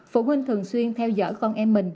phụ huynh thường xuyên theo dõi con em mình